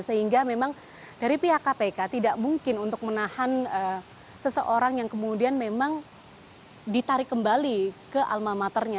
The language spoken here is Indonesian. sehingga memang dari pihak kpk tidak mungkin untuk menahan seseorang yang kemudian memang ditarik kembali ke alma maternya